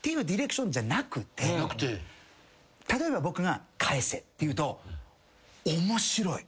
例えば僕が「かえせ」って言うと「面白い」